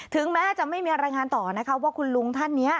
ถึงแม้จะไม่มีรายงานต่อนะคะว่าคุณลุงท่านนี้